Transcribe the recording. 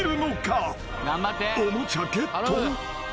［おもちゃゲット？］